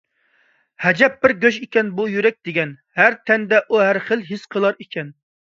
ئەجەب بىر گۆش ئىكەن بۇ يۈرەك دېگەن، ھەر تەندە ئۇ ھەرخىل ھېس قىلار ئىكەن.